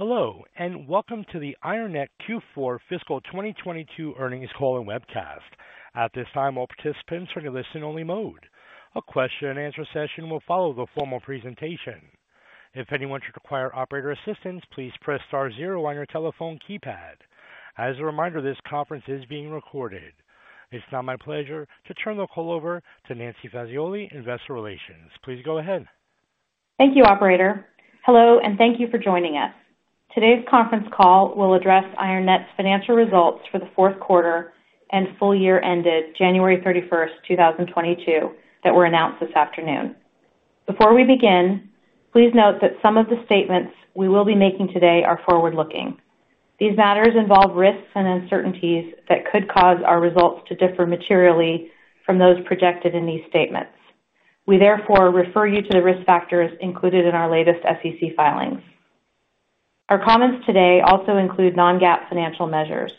Hello, and welcome to the IronNet Q4 fiscal 2022 Earnings Call and Webcast. At this time, all participants are in listen-only mode. A question-and-answer session will follow the formal presentation. If anyone should require operator assistance, please press star zero on your telephone keypad. As a reminder, this conference is being recorded. It's now my pleasure to turn the call over to Nancy Fazioli, Investor Relations. Please go ahead. Thank you, operator. Hello, and thank you for joining us. Today's conference call will address IronNet's financial results for the fourth quarter and full year ended January 31, 2022 that were announced this afternoon. Before we begin, please note that some of the statements we will be making today are forward-looking. These matters involve risks and uncertainties that could cause our results to differ materially from those projected in these statements. We therefore refer you to the risk factors included in our latest SEC filings. Our comments today also include non-GAAP financial measures.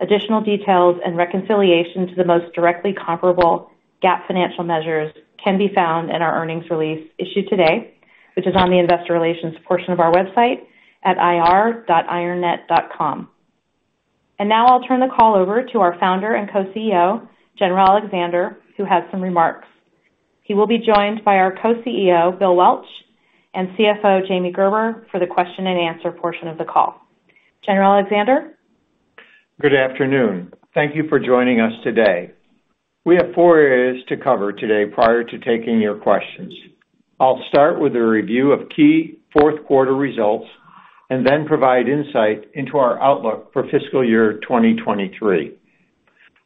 Additional details and reconciliation to the most directly comparable GAAP financial measures can be found in our earnings release issued today, which is on the investor relations portion of our website at ir.ironnet.com. Now I'll turn the call over to our founder and co-CEO, General Alexander, who has some remarks. He will be joined by our co-CEO, Bill Welch, and CFO, James Gerber, for the question and answer portion of the call. General Alexander. Good afternoon. Thank you for joining us today. We have four areas to cover today prior to taking your questions. I'll start with a review of key fourth quarter results and then provide insight into our outlook for fiscal year 2023.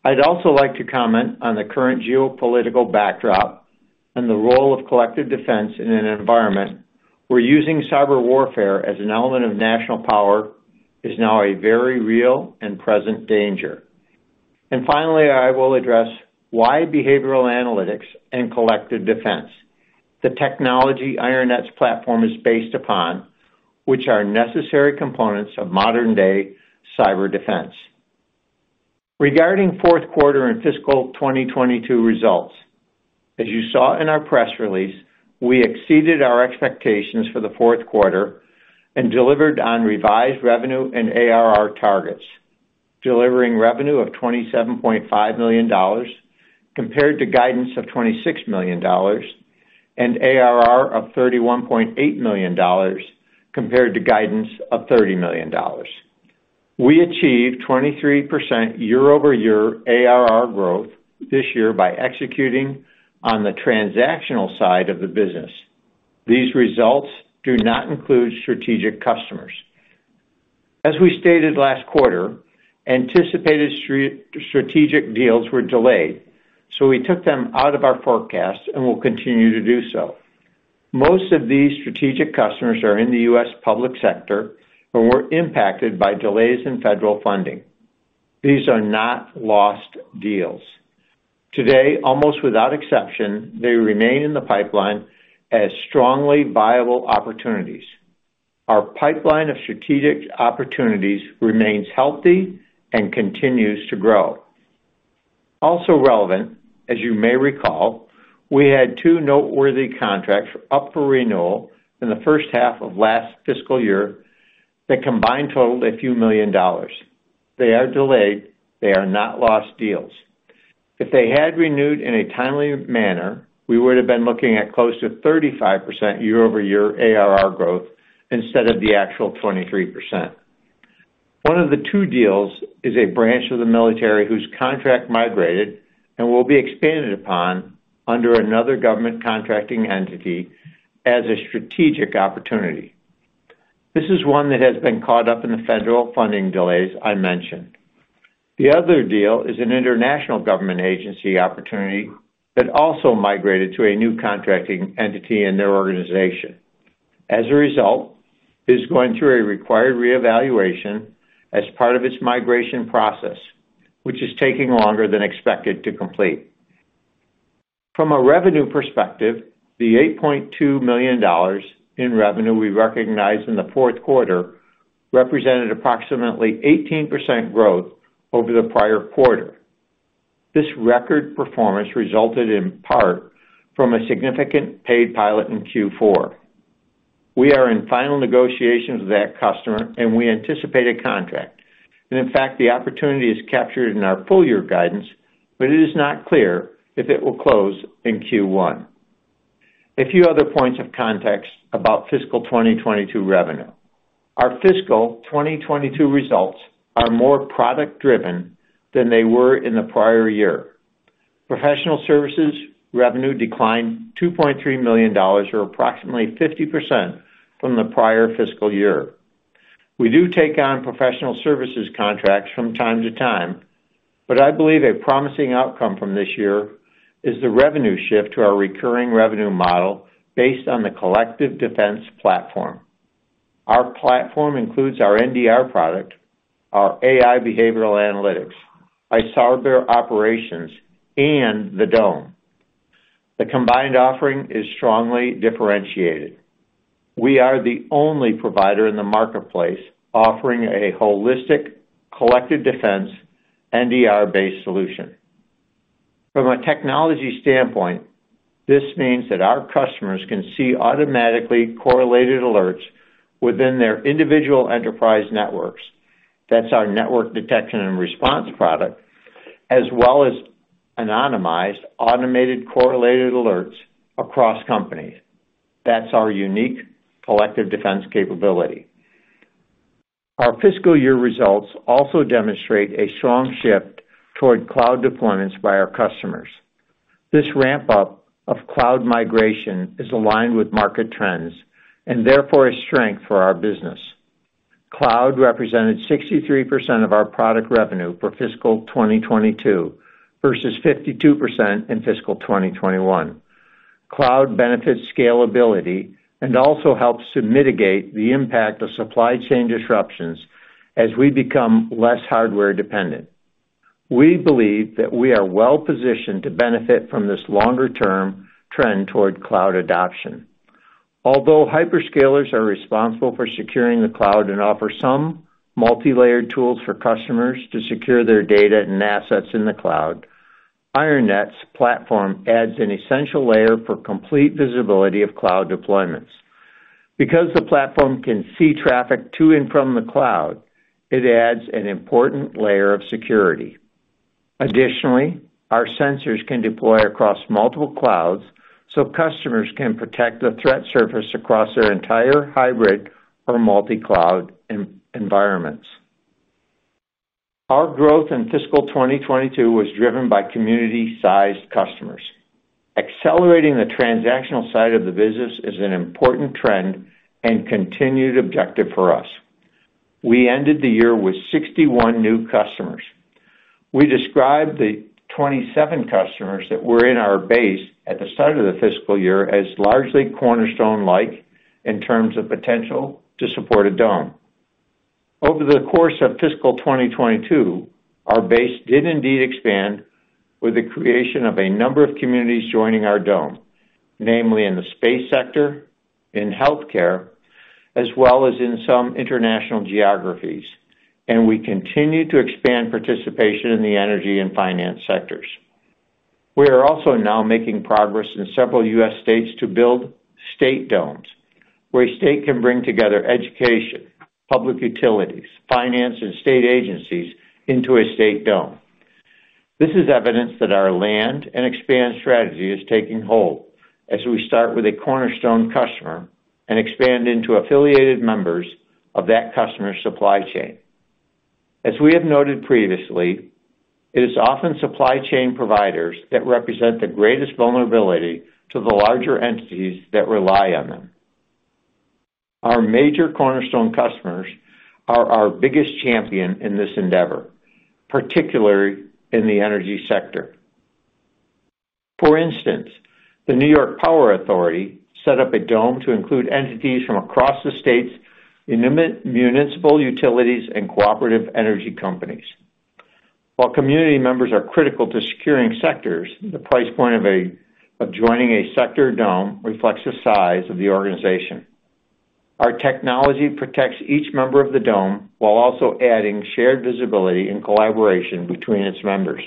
I'd also like to comment on the current geopolitical backdrop and the role of collective defense in an environment where using cyber warfare as an element of national power is now a very real and present danger. Finally, I will address why behavioral analytics and collective defense, the technology IronNet's platform is based upon, which are necessary components of modern-day cyber defense. Regarding fourth quarter and fiscal 2022 results, as you saw in our press release, we exceeded our expectations for the fourth quarter and delivered on revised revenue and ARR targets, delivering revenue of $27.5 million compared to guidance of $26 million, and ARR of $31.8 million compared to guidance of $30 million. We achieved 23% year-over-year ARR growth this year by executing on the transactional side of the business. These results do not include strategic customers. As we stated last quarter, anticipated strategic deals were delayed, so we took them out of our forecast and will continue to do so. Most of these strategic customers are in the U.S. public sector and were impacted by delays in federal funding. These are not lost deals. Today, almost without exception, they remain in the pipeline as strongly viable opportunities. Our pipeline of strategic opportunities remains healthy and continues to grow. Also relevant, as you may recall, we had two noteworthy contracts up for renewal in the first half of last fiscal year that combined totaled a few million dollars. They are delayed. They are not lost deals. If they had renewed in a timely manner, we would have been looking at close to 35% year-over-year ARR growth instead of the actual 23%. One of the two deals is a branch of the military whose contract migrated and will be expanded upon under another government contracting entity as a strategic opportunity. This is one that has been caught up in the federal funding delays I mentioned. The other deal is an international government agency opportunity that also migrated to a new contracting entity in their organization. As a result, it is going through a required reevaluation as part of its migration process, which is taking longer than expected to complete. From a revenue perspective, the $8.2 million in revenue we recognized in the fourth quarter represented approximately 18% growth over the prior quarter. This record performance resulted in part from a significant paid pilot in Q4. We are in final negotiations with that customer, and we anticipate a contract. In fact, the opportunity is captured in our full year guidance, but it is not clear if it will close in Q1. A few other points of context about fiscal 2022 revenue. Our fiscal 2022 results are more product driven than they were in the prior year. Professional services revenue declined $2.3 million or approximately 50% from the prior fiscal year. We do take on professional services contracts from time to time, but I believe a promising outcome from this year is the revenue shift to our recurring revenue model based on the collective defense platform. Our platform includes our NDR product, our AI behavioral analytics, cyber operations, and the Dome. The combined offering is strongly differentiated. We are the only provider in the marketplace offering a holistic, collective defense, NDR-based solution. From a technology standpoint, this means that our customers can see automatically correlated alerts within their individual enterprise networks. That's our network detection and response product, as well as anonymized, automated, correlated alerts across companies. That's our unique collective defense capability. Our fiscal year results also demonstrate a strong shift toward cloud deployments by our customers. This ramp up of cloud migration is aligned with market trends and therefore a strength for our business. Cloud represented 63% of our product revenue for fiscal 2022 versus 52% in fiscal 2021. Cloud benefits scalability and also helps to mitigate the impact of supply chain disruptions as we become less hardware dependent. We believe that we are well-positioned to benefit from this longer-term trend toward cloud adoption. Although hyperscalers are responsible for securing the cloud and offer some multi-layered tools for customers to secure their data and assets in the cloud, IronNet's platform adds an essential layer for complete visibility of cloud deployments. Because the platform can see traffic to and from the cloud, it adds an important layer of security. Additionally, our sensors can deploy across multiple clouds so customers can protect the threat surface across their entire hybrid or multi-cloud environments. Our growth in fiscal 2022 was driven by community-sized customers. Accelerating the transactional side of the business is an important trend and continued objective for us. We ended the year with 61 new customers. We described the 27 customers that were in our base at the start of the fiscal year as largely Cornerstone-like in terms of potential to support a dome. Over the course of fiscal 2022, our base did indeed expand with the creation of a number of communities joining our dome, namely in the space sector, in healthcare, as well as in some international geographies, and we continue to expand participation in the energy and finance sectors. We are also now making progress in several U.S. states to build state domes, where a state can bring together education, public utilities, finance, and state agencies into a state dome. This is evidence that our land and expand strategy is taking hold as we start with a Cornerstone customer and expand into affiliated members of that customer's supply chain. As we have noted previously, it is often supply chain providers that represent the greatest vulnerability to the larger entities that rely on them. Our major Cornerstone customers are our biggest champion in this endeavor, particularly in the energy sector. For instance, the New York Power Authority set up an IronDome to include entities from across the state's non-municipal utilities and cooperative energy companies. While community members are critical to securing sectors, the price point of joining a sector IronDome reflects the size of the organization. Our technology protects each member of the IronDome while also adding shared visibility and collaboration between its members.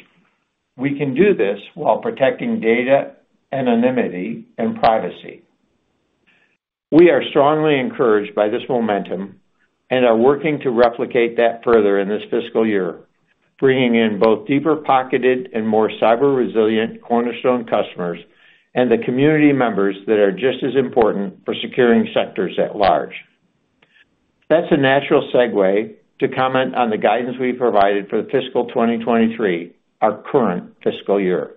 We can do this while protecting data, anonymity, and privacy. We are strongly encouraged by this momentum and are working to replicate that further in this fiscal year, bringing in both deeper-pocketed and more cyber resilient Cornerstone customers and the community members that are just as important for securing sectors at large. That's a natural segue to comment on the guidance we provided for the fiscal 2023, our current fiscal year.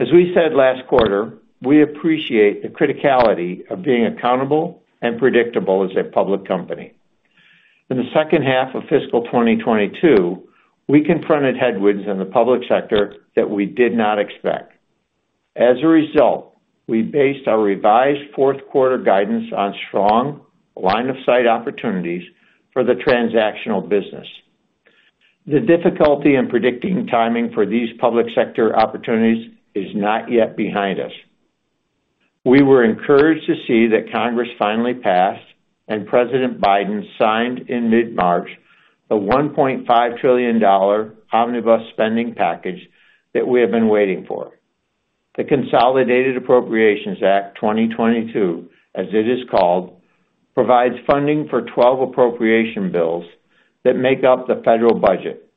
As we said last quarter, we appreciate the criticality of being accountable and predictable as a public company. In the second half of fiscal 2022, we confronted headwinds in the public sector that we did not expect. As a result, we based our revised fourth quarter guidance on strong line of sight opportunities for the transactional business. The difficulty in predicting timing for these public sector opportunities is not yet behind us. We were encouraged to see that Congress finally passed, and President Biden signed in mid-March, the $1.5 trillion omnibus spending package that we have been waiting for. The Consolidated Appropriations Act 2022, as it is called, provides funding for 12 appropriation bills that make up the federal budget,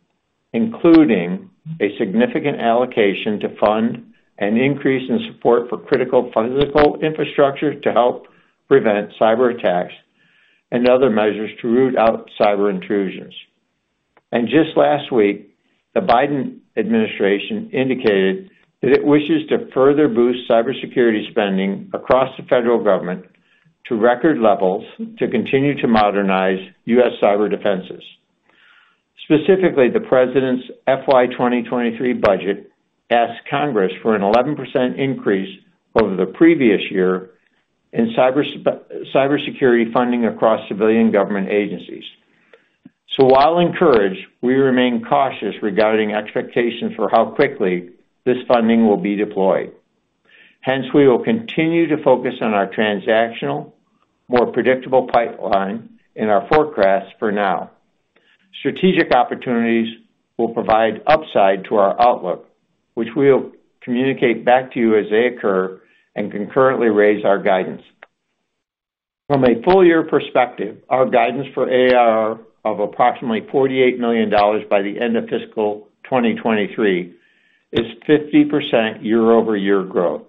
including a significant allocation to fund an increase in support for critical physical infrastructure to help prevent cyberattacks and other measures to root out cyber intrusions. Just last week, the Biden administration indicated that it wishes to further boost cybersecurity spending across the federal government to record levels to continue to modernize U.S. cyber defenses. Specifically, the President's FY 2023 budget asks Congress for an 11% increase over the previous year in cybersecurity funding across civilian government agencies. While encouraged, we remain cautious regarding expectations for how quickly this funding will be deployed. Hence, we will continue to focus on our transactional, more predictable pipeline in our forecast for now. Strategic opportunities will provide upside to our outlook, which we'll communicate back to you as they occur and concurrently raise our guidance. From a full year perspective, our guidance for ARR of approximately $48 million by the end of fiscal 2023 is 50% year-over-year growth.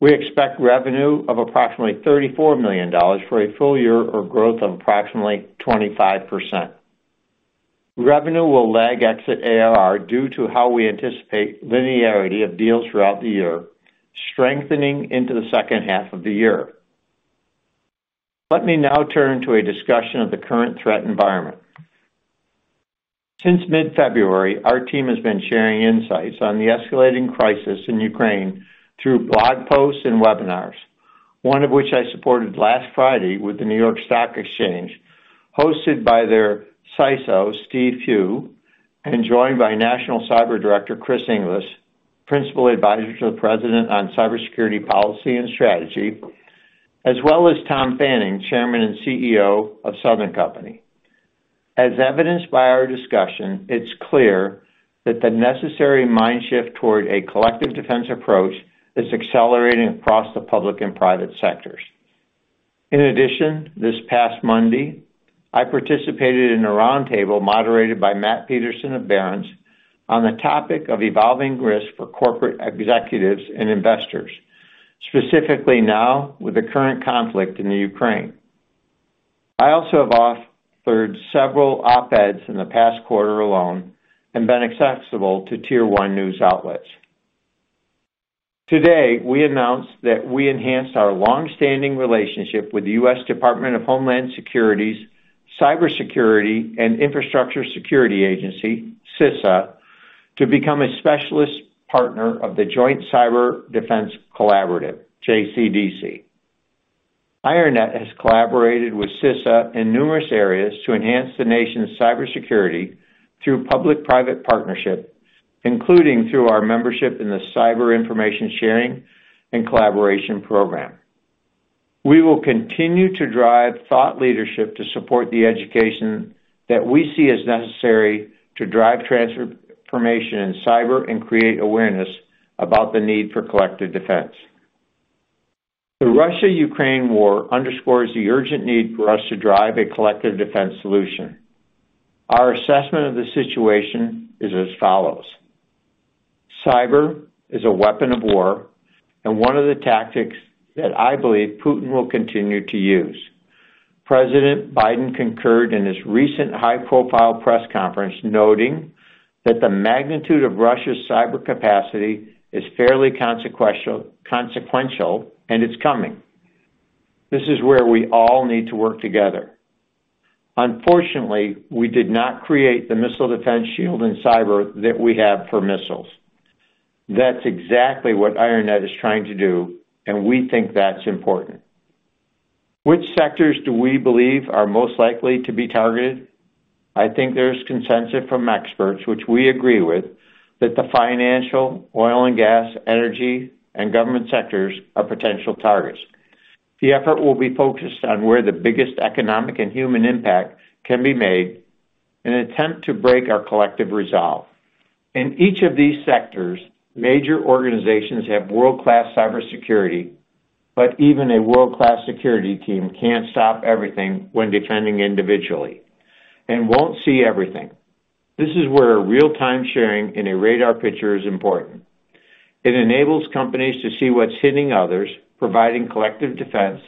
We expect revenue of approximately $34 million for a full year or growth of approximately 25%. Revenue will lag exit ARR due to how we anticipate linearity of deals throughout the year, strengthening into the second half of the year. Let me now turn to a discussion of the current threat environment. Since mid-February, our team has been sharing insights on the escalating crisis in Ukraine through blog posts and webinars. One of which I supported last Friday with the New York Stock Exchange, hosted by their CISO, Steve Pugh, and joined by National Cyber Director, Chris Inglis, Principal Advisor to the President on Cybersecurity Policy and Strategy, as well as Tom Fanning, Chairman and CEO of Southern Company. As evidenced by our discussion, it's clear that the necessary mind shift toward a collective defense approach is accelerating across the public and private sectors. In addition, this past Monday, I participated in a roundtable moderated by Matt Peterson of Barron's on the topic of evolving risk for corporate executives and investors, specifically now with the current conflict in the Ukraine. I also have offered several op-eds in the past quarter alone and been accessible to tier one news outlets. Today, we announced that we enhanced our long-standing relationship with the U.S. Department of Homeland Security's Cybersecurity and Infrastructure Security Agency, CISA, to become a specialist partner of the Joint Cyber Defense Collaborative, JCDC. IronNet has collaborated with CISA in numerous areas to enhance the nation's cybersecurity through public-private partnership, including through our membership in the Cyber Information Sharing and Collaboration Program. We will continue to drive thought leadership to support the education that we see as necessary to drive transformation in cyber and create awareness about the need for collective defense. The Russia-Ukraine war underscores the urgent need for us to drive a collective defense solution. Our assessment of the situation is as follows. Cyber is a weapon of war and one of the tactics that I believe Putin will continue to use. President Biden concurred in his recent high-profile press conference, noting that the magnitude of Russia's cyber capacity is fairly consequential, and it's coming. This is where we all need to work together. Unfortunately, we did not create the missile defense shield in cyber that we have for missiles. That's exactly what IronNet is trying to do, and we think that's important. Which sectors do we believe are most likely to be targeted? I think there's consensus from experts, which we agree with, that the financial, oil and gas, energy, and government sectors are potential targets. The effort will be focused on where the biggest economic and human impact can be made in an attempt to break our collective resolve. In each of these sectors, major organizations have world-class cybersecurity, but even a world-class security team can't stop everything when defending individually and won't see everything. This is where real-time sharing in a radar picture is important. It enables companies to see what's hitting others, providing collective defense,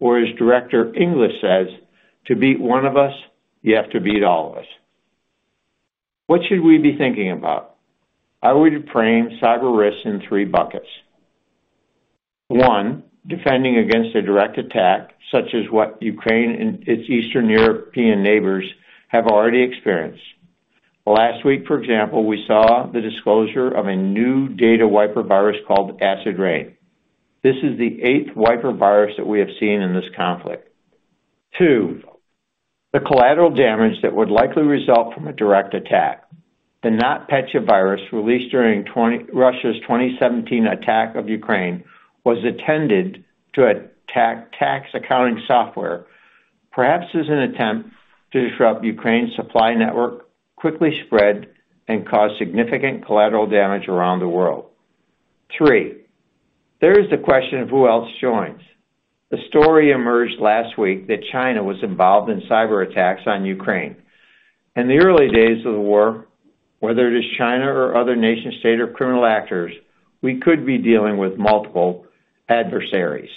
or as Director Inglis says, "To beat one of us, you have to beat all of us." What should we be thinking about? I would frame cyber risks in three buckets. One, defending against a direct attack, such as what Ukraine and its Eastern European neighbors have already experienced. Last week, for example, we saw the disclosure of a new data wiper virus called AcidRain. This is the eighth wiper virus that we have seen in this conflict. Two, the collateral damage that would likely result from a direct attack. The NotPetya virus, released during Russia's 2017 attack of Ukraine, was intended to attack tax accounting software, perhaps as an attempt to disrupt Ukraine's supply network, quickly spread and caused significant collateral damage around the world. Three, there is the question of who else joins. The story emerged last week that China was involved in cyberattacks on Ukraine. In the early days of the war, whether it is China or other nation state or criminal actors, we could be dealing with multiple adversaries.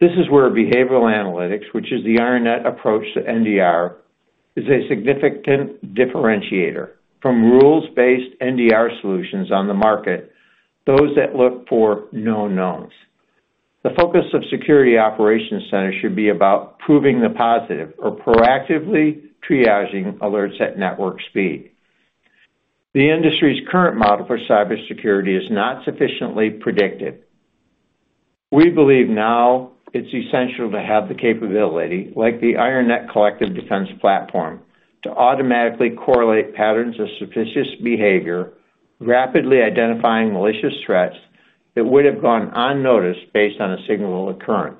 This is where behavioral analytics, which is the IronNet approach to NDR, is a significant differentiator from rules-based NDR solutions on the market, those that look for knowns. The focus of security operations centers should be about proving the positive or proactively triaging alerts at network speed. The industry's current model for cybersecurity is not sufficiently predictive. We believe now it's essential to have the capability, like the IronNet Collective Defense Platform, to automatically correlate patterns of suspicious behavior, rapidly identifying malicious threats. That would have gone unnoticed based on a signal occurrence.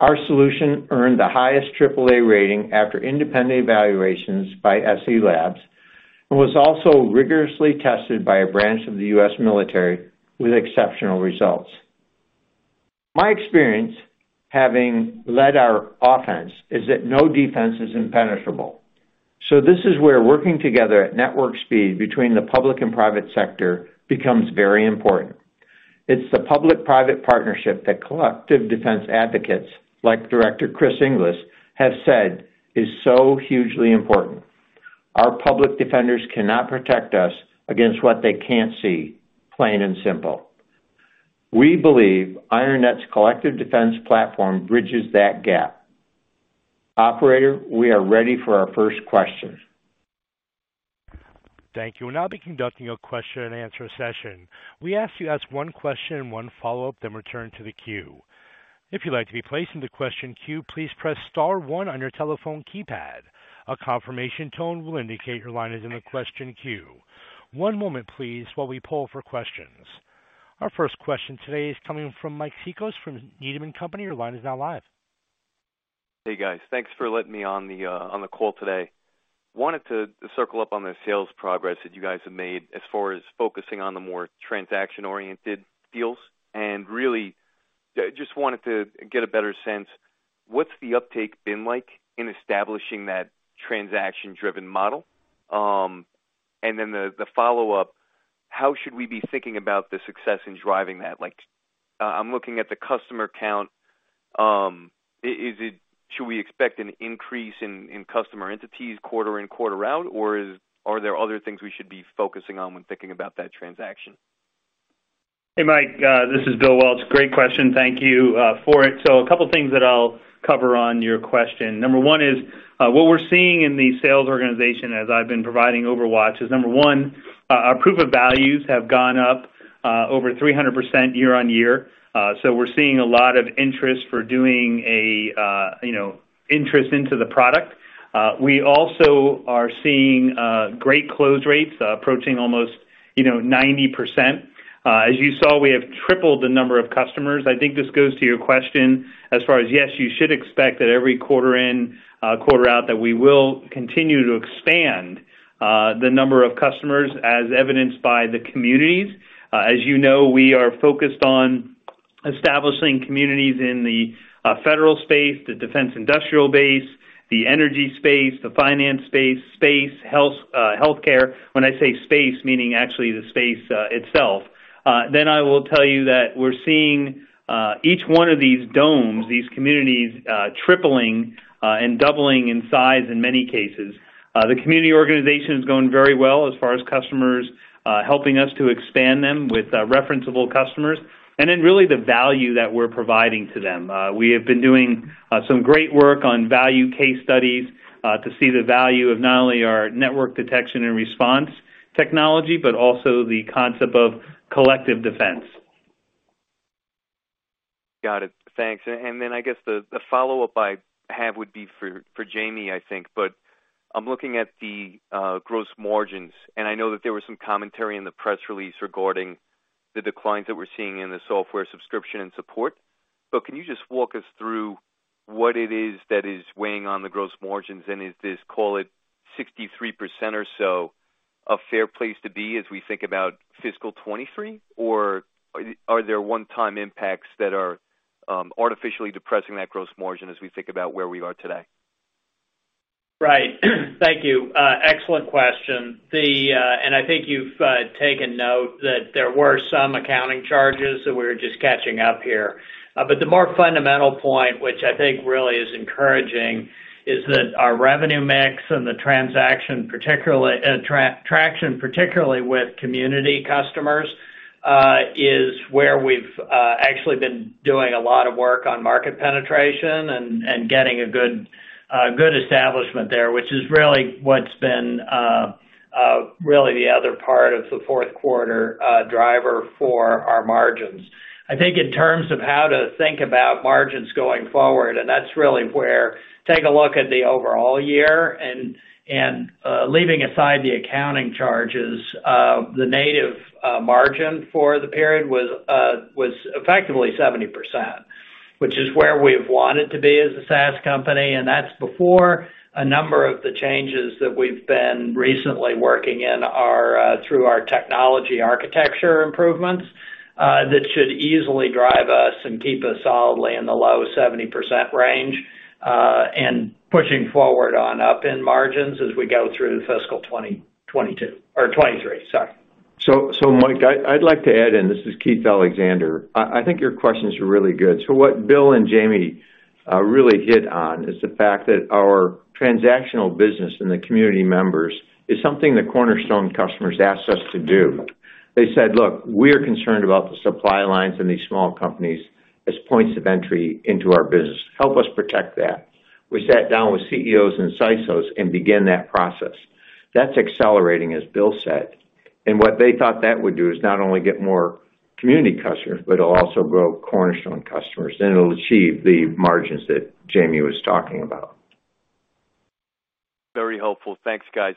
Our solution earned the highest triple-A rating after independent evaluations by SE Labs, and was also rigorously tested by a branch of the U.S. military with exceptional results. My experience having led our offense is that no defense is impenetrable. This is where working together at network speed between the public and private sector becomes very important. It's the public-private partnership that collective defense advocates like Director Chris Inglis have said is so hugely important. Our public defenders cannot protect us against what they can't see, plain and simple. We believe IronNet's collective defense platform bridges that gap. Operator, we are ready for our first question. Thank you. We'll now be conducting a question and answer session. We ask you to ask one question and one follow-up, then return to the queue. If you'd like to be placed into question queue, please press star one on your telephone keypad. A confirmation tone will indicate your line is in the question queue. One moment please, while we poll for questions. Our first question today is coming from Mike Cikos from Needham & Company. Your line is now live. Hey, guys. Thanks for letting me on the call today. Wanted to circle up on the sales progress that you guys have made as far as focusing on the more transaction-oriented deals, and really just wanted to get a better sense. What's the uptake been like in establishing that transaction-driven model? The follow-up, how should we be thinking about the success in driving that? Like, I'm looking at the customer count. Should we expect an increase in customer entities quarter in, quarter out, or are there other things we should be focusing on when thinking about that transaction? Hey, Mike, this is Bill Welch. Great question. Thank you for it. So a couple of things that I'll cover on your question. Number one is, what we're seeing in the sales organization as I've been providing overwatch is, number one, our proof of values have gone up over 300% year-on-year. So we're seeing a lot of interest for doing a, you know, interest in the product. We also are seeing great close rates approaching almost, you know, 90%. As you saw, we have tripled the number of customers. I think this goes to your question as far as, yes, you should expect that every quarter in, quarter out, that we will continue to expand the number of customers as evidenced by the communities. As you know, we are focused on establishing communities in the federal space, the defense industrial base, the energy space, the finance space, healthcare. When I say space, meaning actually the space itself. Then I will tell you that we're seeing each one of these domes, these communities, tripling and doubling in size in many cases. The community organization is going very well as far as customers helping us to expand them with referenceable customers, and then really the value that we're providing to them. We have been doing some great work on value case studies to see the value of not only our Network Detection and Response technology, but also the concept of collective defense. Got it. Thanks. I guess the follow-up I have would be for Jamie, I think. I'm looking at the gross margins, and I know that there was some commentary in the press release regarding the declines that we're seeing in the software subscription and support. Can you just walk us through what it is that is weighing on the gross margins, and is this, call it 63% or so, a fair place to be as we think about fiscal 2023? Or are there one-time impacts that are artificially depressing that gross margin as we think about where we are today? Right. Thank you. Excellent question. I think you've taken note that there were some accounting charges, so we're just catching up here. The more fundamental point, which I think really is encouraging, is that our revenue mix and the traction, particularly with community customers, is where we've actually been doing a lot of work on market penetration and getting a good establishment there, which is really the other part of the fourth quarter driver for our margins. I think in terms of how to think about margins going forward, and that's really where to take a look at the overall year and leaving aside the accounting charges, the native margin for the period was effectively 70%, which is where we've wanted to be as a SaaS company, and that's before a number of the changes that we've been recently working through our technology architecture improvements that should easily drive us and keep us solidly in the low 70% range, and pushing forward and up in margins as we go through fiscal 2022 or 2023, sorry. Mike, I'd like to add, this is Keith Alexander. I think your questions are really good. What Bill and Jamie really hit on is the fact that our transactional business and the community members is something the Cornerstone customers asked us to do. They said, "Look, we're concerned about the supply lines in these small companies as points of entry into our business. Help us protect that." We sat down with CEOs and CISOs and begin that process. That's accelerating, as Bill said. What they thought that would do is not only get more community customers, but it'll also grow Cornerstone customers, and it'll achieve the margins that Jamie was talking about. Very helpful. Thanks, guys.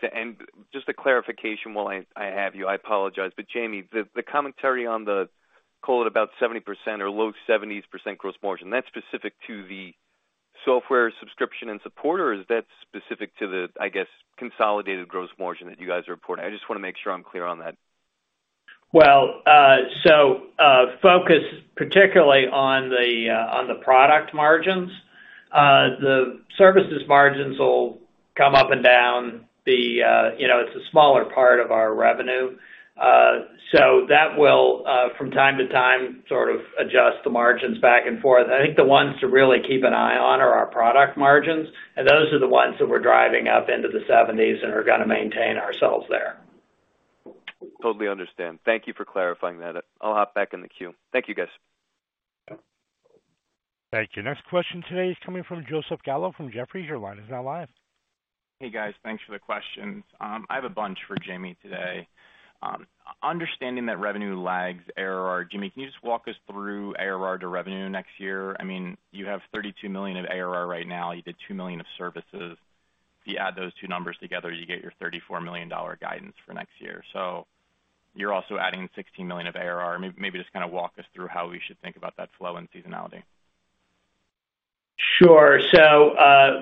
Just a clarification while I have you, I apologize, but Jamie, the commentary on the call at about 70% or low 70s% gross margin, that's specific to the software subscription and support, or is that specific to the, I guess, consolidated gross margin that you guys are reporting? I just wanna make sure I'm clear on that. Well, focus particularly on the product margins. The services margins will come up and down, you know. It's a smaller part of our revenue. That will, from time to time, sort of adjust the margins back and forth. I think the ones to really keep an eye on are our product margins, and those are the ones that we're driving up into the 70s% and are gonna maintain ourselves there. Totally understand. Thank you for clarifying that. I'll hop back in the queue. Thank you, guys. Thank you. Next question today is coming from Joseph Gallo from Jefferies. Your line is now live. Hey, guys. Thanks for the questions. I have a bunch for Jamie today. Understanding that revenue lags ARR, Jamie, can you just walk us through ARR to revenue next year? I mean, you have 32 million of ARR right now. You did two million of services. If you add those two numbers together, you get your $34 million guidance for next year. You're also adding 16 million of ARR. Maybe just kinda walk us through how we should think about that flow and seasonality. Sure.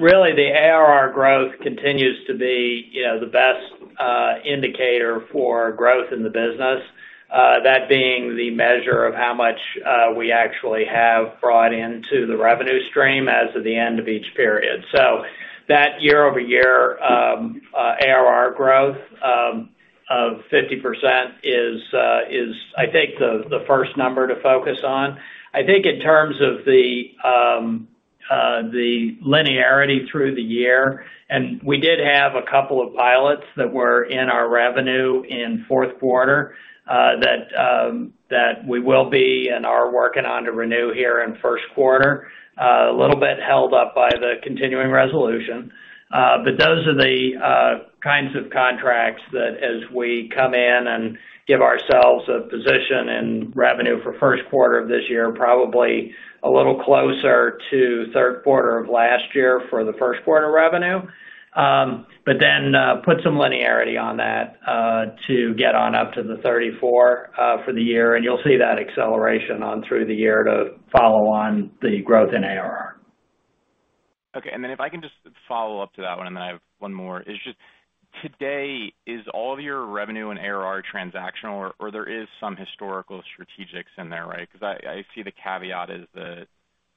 Really the ARR growth continues to be, you know, the best indicator for growth in the business. That being the measure of how much we actually have brought into the revenue stream as of the end of each period. That year-over-year ARR growth of 50% is I think the first number to focus on. I think in terms of the linearity through the year, and we did have a couple of pilots that were in our revenue in fourth quarter, that we will be and are working on to renew here in first quarter. A little bit held up by the continuing resolution. Those are the kinds of contracts that as we come in and give ourselves a position and revenue for first quarter of this year, probably a little closer to third quarter of last year for the first quarter revenue. Put some linearity on that to get on up to the 34 for the year, and you'll see that acceleration on through the year to follow on the growth in ARR. Okay. Then if I can just follow up to that one, then I have one more. Today, is all of your revenue and ARR transactional or there is some historical strategics in there, right? 'Cause I see the caveat is that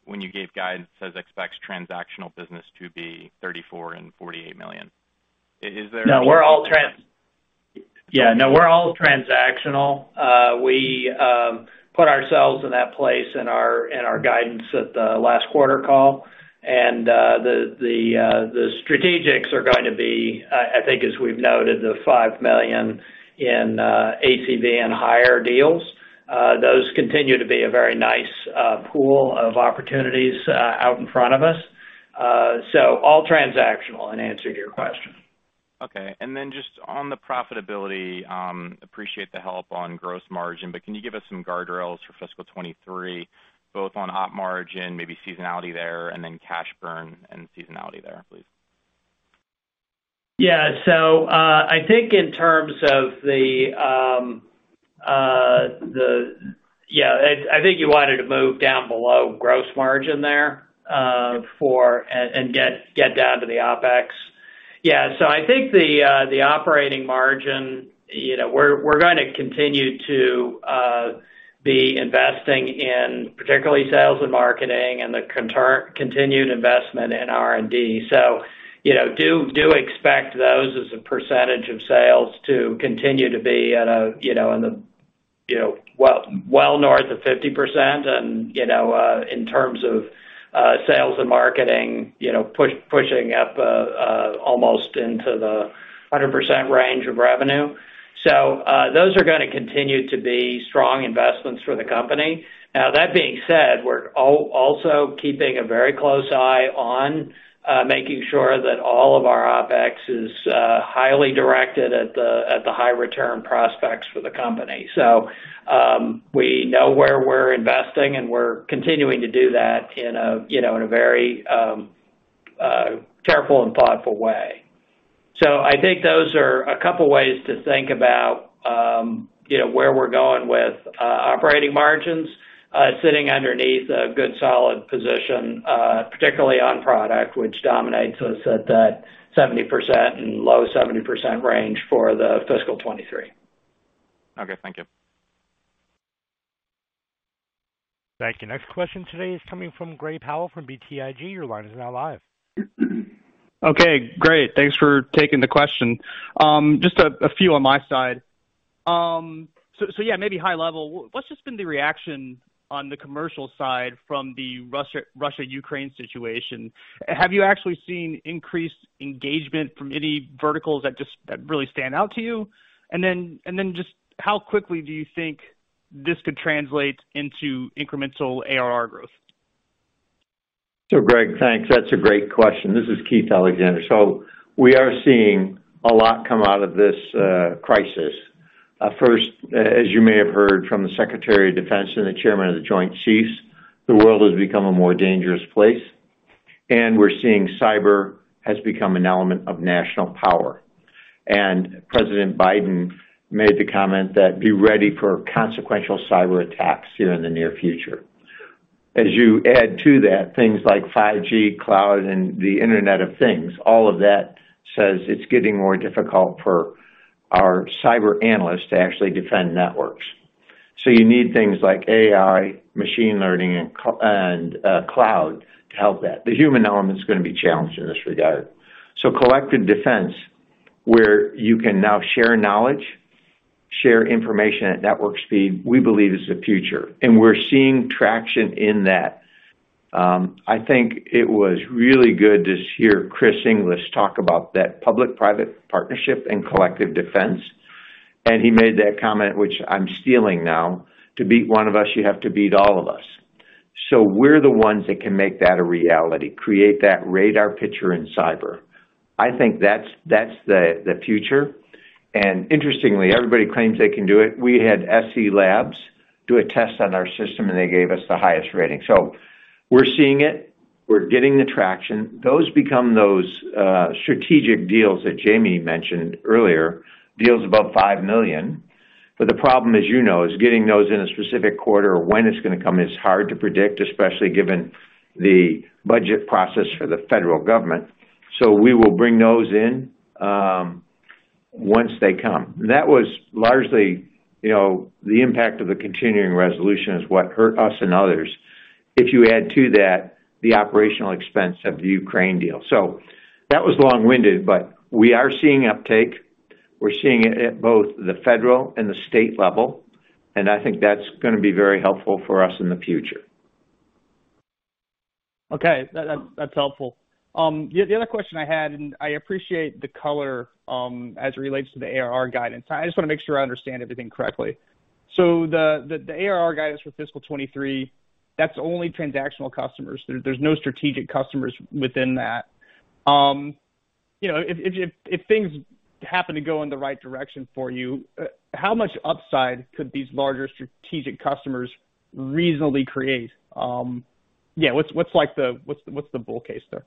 when you gave guidance, it says expects transactional business to be $34 million-$48 million. Is there- No, yeah, no, we're all transactional. We put ourselves in that place in our guidance at the last quarter call. The strategics are going to be, I think as we've noted, the $5 million in ACV and higher deals. Those continue to be a very nice pool of opportunities out in front of us. All transactional in answer to your question. Okay. Just on the profitability, appreciate the help on gross margin, but can you give us some guardrails for fiscal 2023, both on op margin, maybe seasonality there, and then cash burn and seasonality there, please? I think in terms of the, I think you wanted to move down below gross margin there and get down to the OpEx. I think the operating margin, you know, we're gonna continue to be investing in particularly sales and marketing and the continued investment in R&D. You know, do expect those as a percentage of sales to continue to be at a, you know, in the, you know, well north of 50% and, you know, in terms of sales and marketing, you know, pushing up almost into the 100% range of revenue. Those are gonna continue to be strong investments for the company. Now, that being said, we're also keeping a very close eye on making sure that all of our OpEx is highly directed at the high return prospects for the company. We know where we're investing, and we're continuing to do that in a, you know, very careful and thoughtful way. I think those are a couple ways to think about, you know, where we're going with operating margins sitting underneath a good, solid position, particularly on product, which dominates us at that 70% and low 70% range for the fiscal 2023. Okay, thank you. Thank you. Next question today is coming from Gray Powell from BTIG. Your line is now live. Okay, great. Thanks for taking the question. Just a few on my side. So yeah, maybe high level, what's just been the reaction on the commercial side from the Russia-Ukraine situation? Have you actually seen increased engagement from any verticals that really stand out to you? Then just how quickly do you think this could translate into incremental ARR growth? Greg, thanks. That's a great question. This is Keith Alexander. We are seeing a lot come out of this crisis. First, as you may have heard from the Secretary of Defense and the Chairman of the Joint Chiefs, the world has become a more dangerous place, and we're seeing cyber has become an element of national power. President Biden made the comment that, "Be ready for consequential cyber attacks here in the near future." As you add to that things like 5G, cloud, and the Internet of Things, all of that says it's getting more difficult for our cyber analysts to actually defend networks. You need things like AI, machine learning, and cloud to help that. The human element is gonna be challenged in this regard. Collective defense, where you can now share knowledge, share information at network speed, we believe is the future. We're seeing traction in that. I think it was really good to hear Chris Inglis talk about that public-private partnership and collective defense. He made that comment, which I'm stealing now, "To beat one of us, you have to beat all of us." We're the ones that can make that a reality, create that radar picture in cyber. I think that's the future. Interestingly, everybody claims they can do it. We had SE Labs do a test on our system, and they gave us the highest rating. We're seeing it. We're getting the traction. Those become strategic deals that Jamie mentioned earlier, deals above $5 million. The problem, as you know, is getting those in a specific quarter or when it's gonna come is hard to predict, especially given the budget process for the federal government. We will bring those in once they come. That was largely, you know, the impact of the continuing resolution is what hurt us and others. If you add to that, the operating expense of the Ukraine deal. That was long-winded, but we are seeing uptake. We're seeing it at both the federal and the state level, and I think that's gonna be very helpful for us in the future. Okay. That's helpful. Yeah, the other question I had, and I appreciate the color, as it relates to the ARR guidance. I just wanna make sure I understand everything correctly. The ARR guidance for fiscal 2023, that's only transactional customers. There's no strategic customers within that. You know, if things happen to go in the right direction for you, how much upside could these larger strategic customers reasonably create? Yeah, what's the bull case there?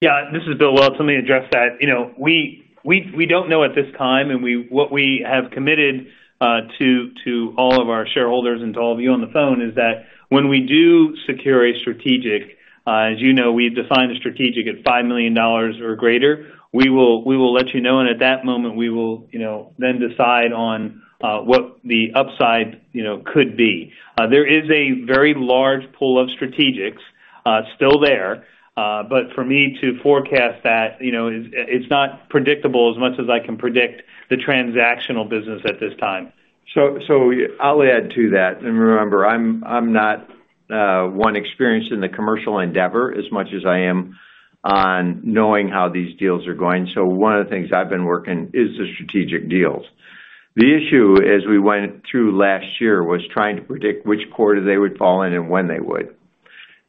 Yeah. This is Bill Welch. Let me address that. You know, we don't know at this time, and what we have committed to all of our shareholders and to all of you on the phone is that when we do secure a strategic, as you know, we define a strategic at $5 million or greater. We will let you know, and at that moment, we will, you know, then decide on what the upside, you know, could be. There is a very large pool of strategics still there. But for me to forecast that, you know, it's not predictable as much as I can predict the transactional business at this time. I'll add to that. Remember, I'm not one experienced in the commercial endeavor as much as I am on knowing how these deals are going. One of the things I've been working on is the strategic deals. The issue, as we went through last year, was trying to predict which quarter they would fall in and when they would.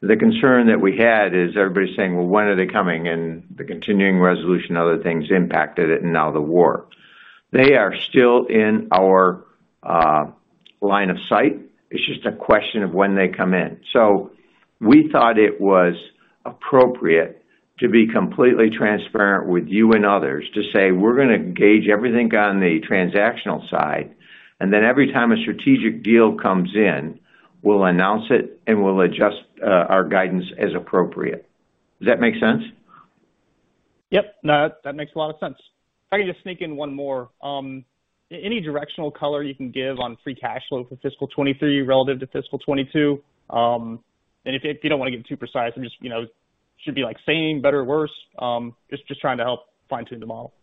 The concern that we had is everybody's saying, "Well, when are they coming?" The Continuing Resolution and other things impacted it, and now the war. They are still in our line of sight. It's just a question of when they come in. We thought it was appropriate to be completely transparent with you and others to say, we're gonna gauge everything on the transactional side, and then every time a strategic deal comes in, we'll announce it, and we'll adjust our guidance as appropriate. Does that make sense? Yep. No, that makes a lot of sense. If I can just sneak in one more. Any directional color you can give on free cash flow for fiscal 2023 relative to fiscal 2022. If you don't wanna get too precise or just, you know, should be like same, better or worse, just trying to help fine-tune the model.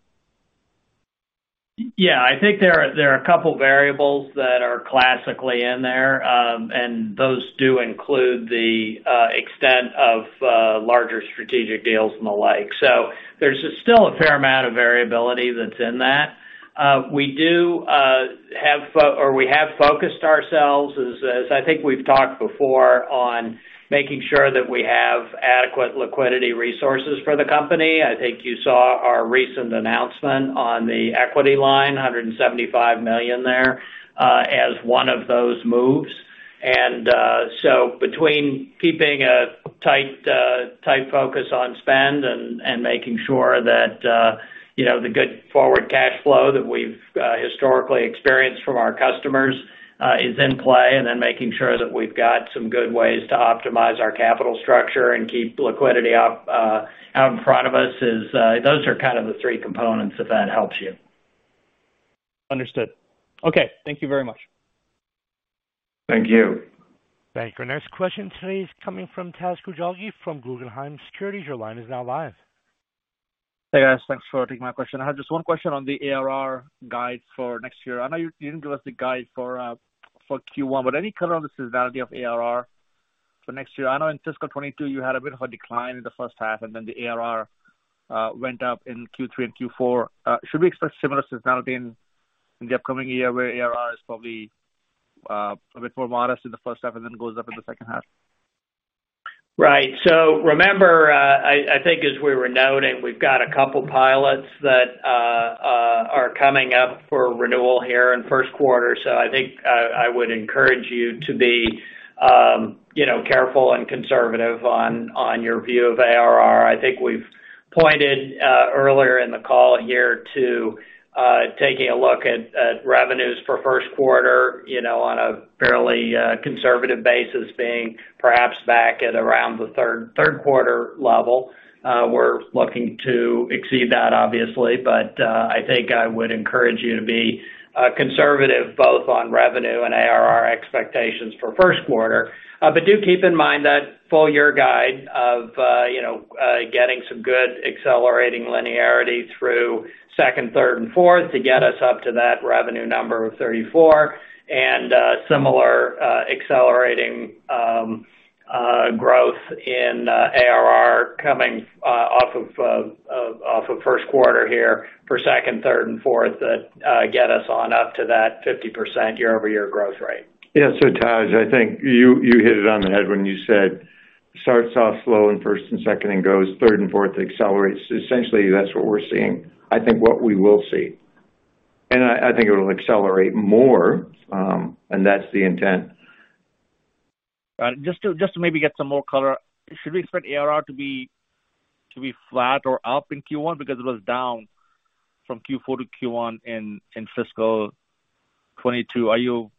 Yeah. I think there are a couple variables that are classically in there, and those do include the extent of larger strategic deals and the like. There's still a fair amount of variability that's in that. We have focused ourselves, as I think we've talked before, on making sure that we have adequate liquidity resources for the company. I think you saw our recent announcement on the equity line, $175 million there, as one of those moves. Between keeping a tight focus on spend and making sure that, you know, the good forward cash flow that we've historically experienced from our customers is in play, and then making sure that we've got some good ways to optimize our capital structure and keep liquidity up out in front of us. Those are kind of the three components, if that helps you. Understood. Okay, thank you very much. Thank you. Thank you. Our next question today is coming from Taz Koujalgi from Guggenheim Securities. Your line is now live. Hey, guys. Thanks for taking my question. I have just one question on the ARR guide for next year. I know you didn't give us the guide for Q1, but any color on the seasonality of ARR for next year? I know in fiscal 2022 you had a bit of a decline in the first half, and then the ARR went up in Q3 and Q4. Should we expect similar seasonality in the upcoming year where ARR is probably a bit more modest in the first half and then goes up in the second half? Remember, I think as we were noting, we've got a couple pilots that are coming up for renewal here in first quarter. I think I would encourage you to be, you know, careful and conservative on your view of ARR. I think we've pointed earlier in the call here to taking a look at revenues for first quarter, you know, on a fairly conservative basis being perhaps back at around the third quarter level. We're looking to exceed that obviously, but I think I would encourage you to be conservative both on revenue and ARR expectations for first quarter. do keep in mind that full year guide of, you know, getting some good accelerating linearity through second, third, and fourth to get us up to that revenue number of $34, and similar accelerating growth in ARR coming off of first quarter here for second, third, and fourth that get us on up to that 50% year-over-year growth rate. Yeah. Taj, I think you hit it on the head when you said starts off slow in first and second and goes third and fourth, it accelerates. Essentially, that's what we're seeing. I think what we will see. I think it'll accelerate more, and that's the intent. Got it. Just to maybe get some more color, should we expect ARR to be flat or up in Q1 because it was down from Q4 to Q1 in fiscal 2022? Are you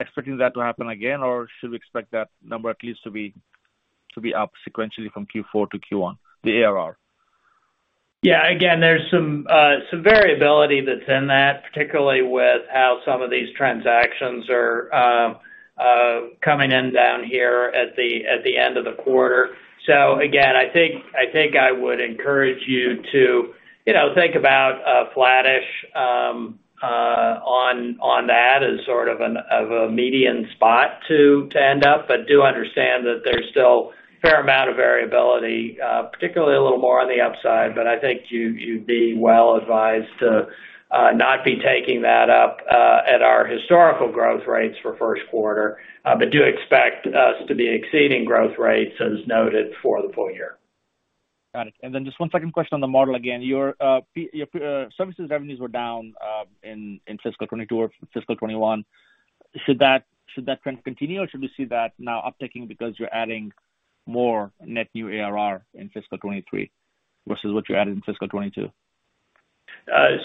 expecting that to happen again, or should we expect that number at least to be up sequentially from Q4 to Q1, the ARR? Yeah. Again, there's some variability that's in that, particularly with how some of these transactions are coming in at the end of the quarter. Again, I think I would encourage you to, you know, think about flattish on that as sort of a median spot to end up. Do understand that there's still fair amount of variability, particularly a little more on the upside, but I think you'd be well advised to not be taking that up at our historical growth rates for first quarter. Do expect us to be exceeding growth rates as noted for the full year. Got it. Just one second question on the model again. Your services revenues were down in fiscal 2022 or fiscal 2021. Should that trend continue, or should we see that now upticking because you're adding more net new ARR in fiscal 2023 versus what you added in fiscal 2022?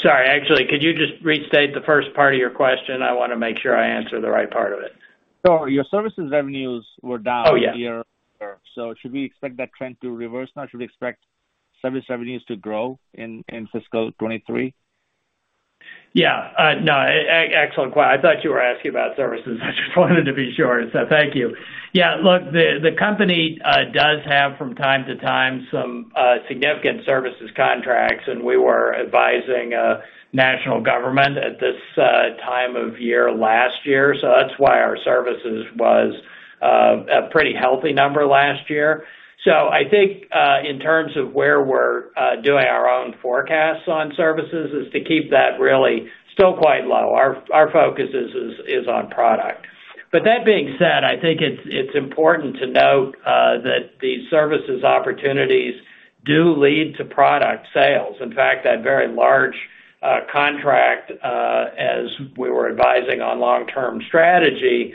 Sorry. Actually, could you just restate the first part of your question? I wanna make sure I answer the right part of it. Your services revenues were down- Oh, yeah. year-over-year. Should we expect that trend to reverse now? Should we expect service revenues to grow in fiscal 2023? Yeah. No, excellent question. I thought you were asking about services. I just wanted to be sure. Thank you. Yeah. Look, the company does have from time to time some significant services contracts, and we were advising national government at this time of year last year. That's why our services was a pretty healthy number last year. I think in terms of where we're doing our own forecasts on services is to keep that really still quite low. Our focus is on product. That being said, I think it's important to note that these services opportunities do lead to product sales. In fact, that very large contract, as we were advising on long-term strategy,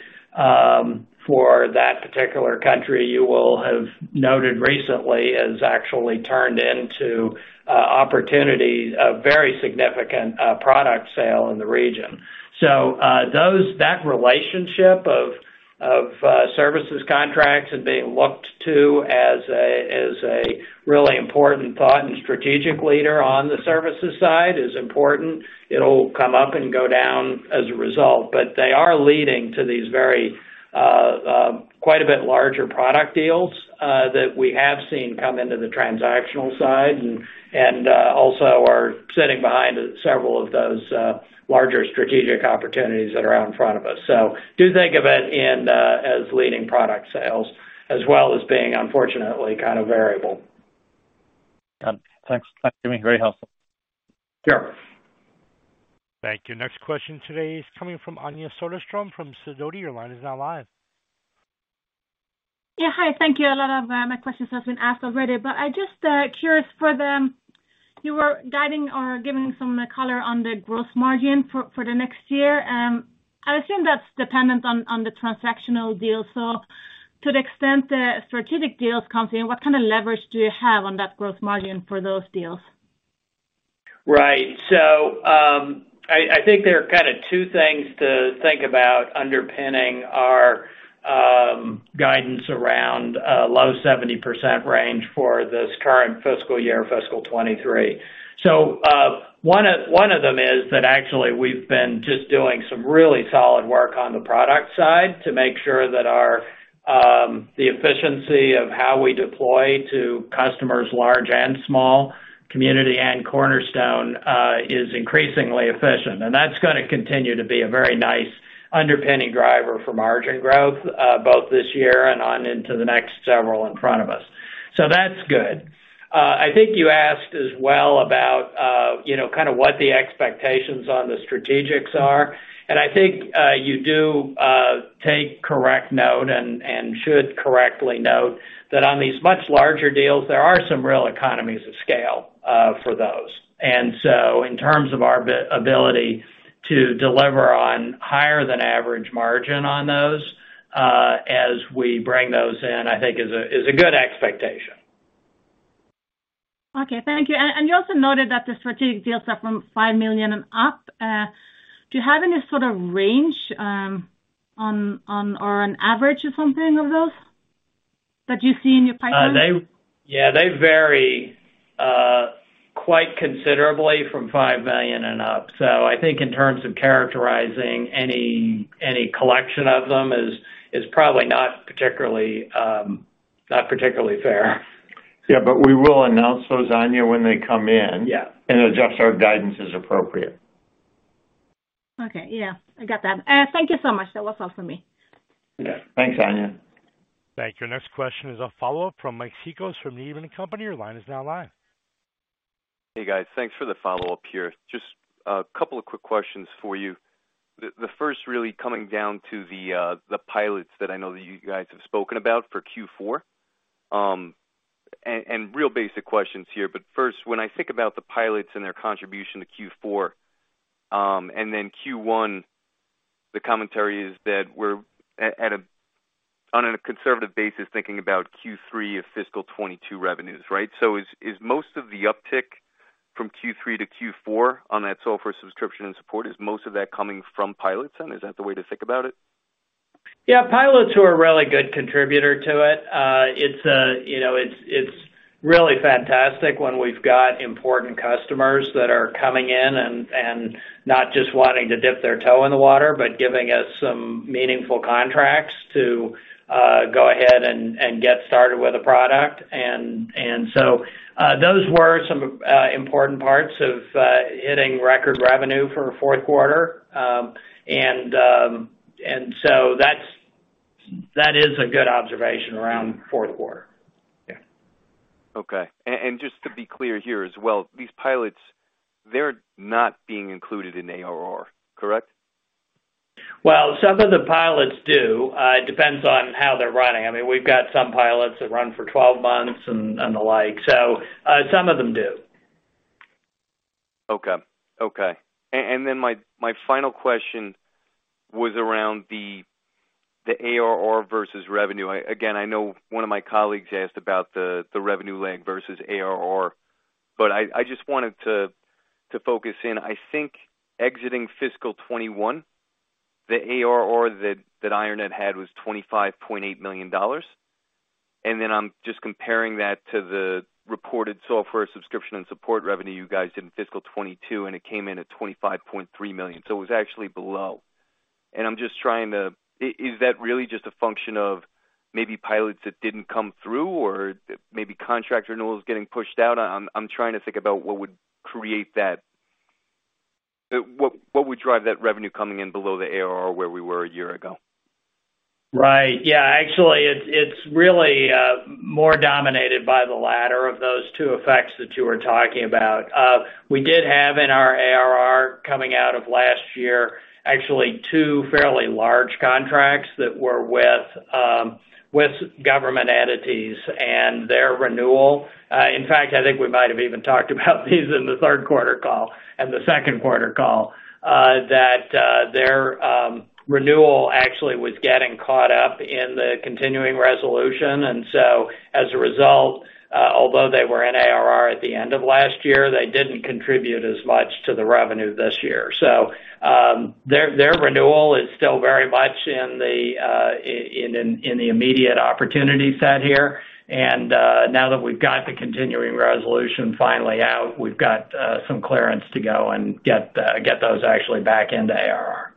for that particular country, you will have noted recently, has actually turned into opportunity, a very significant product sale in the region. That relationship of services contracts and being looked to as a really important thought and strategic leader on the services side is important. It'll come up and go down as a result. They are leading to these very quite a bit larger product deals that we have seen come into the transactional side and also are sitting behind several of those larger strategic opportunities that are out in front of us. Do think of it in the as leading product sales as well as being unfortunately kind of variable. Got it. Thanks. That's gonna be very helpful. Sure. Thank you. Next question today is coming from Anja Soderstrom from Sidoti. Your line is now live. Yeah. Hi. Thank you. A lot of my questions has been asked already, but I'm just curious about the guidance you were giving or some color on the gross margin for the next year. I assume that's dependent on the transactional deal. To the extent the strategic deals come in, what kind of leverage do you have on that gross margin for those deals? Right. I think there are kind of two things to think about underpinning our guidance around a low 70% range for this current fiscal year, FY 2023. One of them is that actually we've been just doing some really solid work on the product side to make sure that the efficiency of how we deploy to customers large and small, Community and Cornerstone, is increasingly efficient. And that's gonna continue to be a very nice underpinning driver for margin growth, both this year and on into the next several in front of us. That's good. I think you asked as well about, you know, kind of what the expectations on the strategics are. I think you do take correct note and should correctly note that on these much larger deals, there are some real economies of scale for those. In terms of our ability to deliver on higher than average margin on those as we bring those in, I think is a good expectation. Okay. Thank you. You also noted that the strategic deals are from $5 million and up. Do you have any sort of range, on or an average or something of those that you see in your pipeline? They vary quite considerably from $5 million and up. I think in terms of characterizing any collection of them is probably not particularly fair. Yeah. We will announce those, Anja, when they come in. Yeah adjust our guidance as appropriate. Okay. Yeah, I got that. Thank you so much. That was all for me. Yeah. Thanks, Anja. Thank you. Next question is a follow-up from Mike Cikos from Needham & Company. Your line is now live. Hey, guys. Thanks for the follow-up here. Just a couple of quick questions for you. The first really coming down to the pilots that I know that you guys have spoken about for Q4. And real basic questions here, but first, when I think about the pilots and their contribution to Q4, and then Q1, the commentary is that we're at a conservative basis, thinking about Q3 of fiscal 2022 revenues, right? Is most of the uptick from Q3 to Q4 on that software subscription and support, is most of that coming from pilots then? Is that the way to think about it? Yeah. Pilots are a really good contributor to it. It's, you know, it's really fantastic when we've got important customers that are coming in and not just wanting to dip their toe in the water, but giving us some meaningful contracts to go ahead and get started with a product. Those were some important parts of hitting record revenue for fourth quarter. That is a good observation around fourth quarter. Yeah. Okay. Just to be clear here as well, these pilots, they're not being included in ARR, correct? Well, some of the pilots do. It depends on how they're running. I mean, we've got some pilots that run for 12 months and the like. Some of them do. Okay. My final question was around the ARR versus revenue. Again, I know one of my colleagues asked about the revenue lag versus ARR, but I just wanted to focus in. I think exiting fiscal 2021, the ARR that IronNet had was $25.8 million. I'm just comparing that to the reported software subscription and support revenue you guys did in fiscal 2022, and it came in at $25.3 million. It was actually below. I'm just trying to. Is that really just a function of maybe pilots that didn't come through or maybe contract renewals getting pushed out? I'm trying to think about what would create that. What would drive that revenue coming in below the ARR where we were a year ago? Right. Yeah. Actually, it's really more dominated by the latter of those two effects that you were talking about. We did have in our ARR coming out of last year, actually two fairly large contracts that were with government entities and their renewal. In fact, I think we might have even talked about these in the third quarter call and the second quarter call, that their renewal actually was getting caught up in the continuing resolution. As a result, although they were in ARR at the end of last year, they didn't contribute as much to the revenue this year. Their renewal is still very much in the immediate opportunity set here. Now that we've got the continuing resolution finally out, we've got some clearance to go and get those actually back into ARR.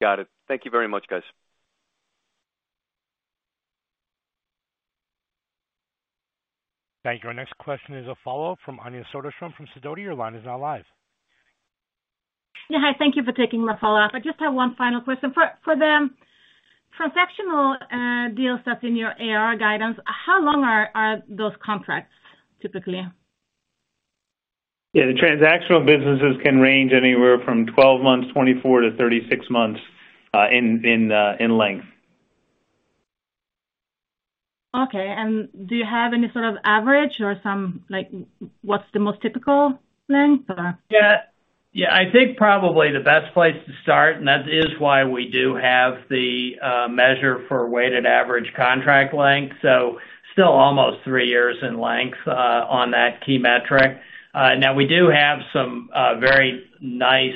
Got it. Thank you very much, guys. Thank you. Our next question is a follow from Anja Soderstrom from Sidoti. Your line is now live. Yeah. Hi. Thank you for taking my follow-up. I just have one final question. For the transactional deals that's in your ARR guidance, how long are those contracts typically? Yeah, the transactional businesses can range anywhere from 12 months, 24-36 months, in length. Okay. Do you have any sort of average or some like what's the most typical length or? I think probably the best place to start, and that is why we do have the measure for weighted average contract length. Still almost three years in length on that key metric. Now we do have some very nice,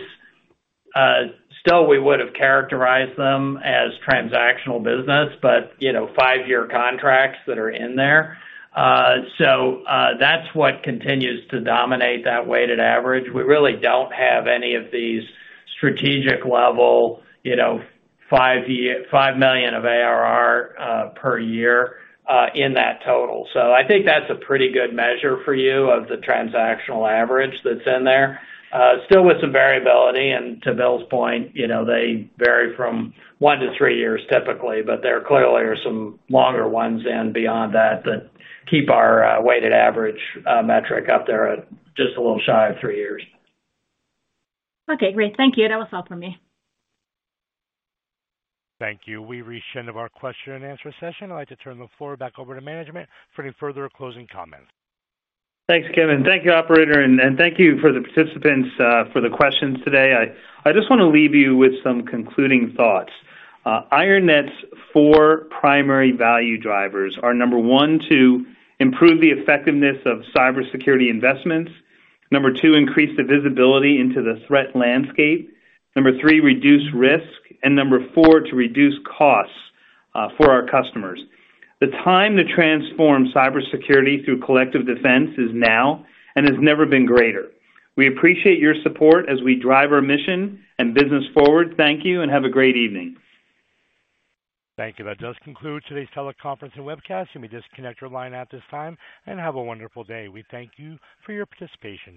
still we would've characterized them as transactional business, but, you know, five-year contracts that are in there. That's what continues to dominate that weighted average. We really don't have any of these strategic level, you know, $5 million of ARR per year in that total. I think that's a pretty good measure for you of the transactional average that's in there. Still with some variability, and to Bill's point, you know, they vary from one-three years typically, but there clearly are some longer ones than beyond that keep our weighted average metric up there at just a little shy of three years. Okay, great. Thank you. That was all for me. Thank you. We've reached the end of our question and answer session. I'd like to turn the floor back over to management for any further closing comments. Thanks, Kevin. Thank you, operator, and thank you for the participants for the questions today. I just wanna leave you with some concluding thoughts. IronNet's four primary value drivers are, number one, to improve the effectiveness of cybersecurity investments, number two, increase the visibility into the threat landscape, number three, reduce risk, and number four, to reduce costs for our customers. The time to transform cybersecurity through collective defense is now and has never been greater. We appreciate your support as we drive our mission and business forward. Thank you and have a great evening. Thank you. That does conclude today's teleconference and webcast. You may disconnect your line at this time and have a wonderful day. We thank you for your participation.